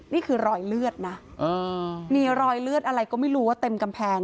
นี่คือรอยเลือดนะมีรอยเลือดอะไรก็ไม่รู้ว่าเต็มกำแพง